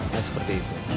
nah seperti itu